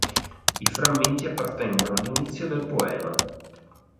I frammenti appartengono all'inizio del poema.